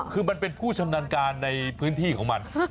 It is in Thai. คือมันเป็นผู้ชำนาญการในพื้นที่ของมัน